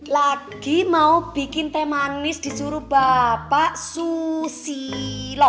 lagi mau bikin teh manis disuruh bapak susilo